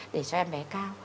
để cho em bé cao